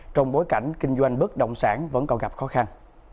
trong bối cảnh kinh doanh bất động sản vẫn còn gặp khó khăn